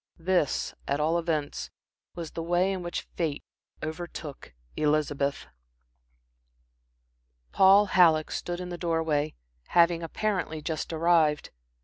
This, at all events, was the way in which fate overtook Elizabeth. Paul Halleck stood in the door way, having apparently just arrived.